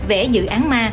vẽ dự án ma